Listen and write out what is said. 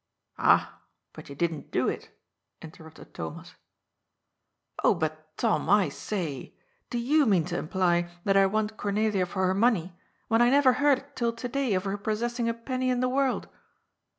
" Ah, but you didn't do it," interrupted Thomas. >" Oh, but, Tom, I say : do you mean to imply that I want Cornelia for her money, when I never heard till to day of her possessing a penny in the world